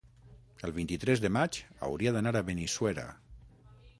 El vint-i-tres de maig hauria d'anar a Benissuera.